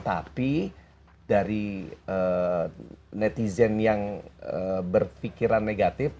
tapi dari netizen yang berpikiran negatif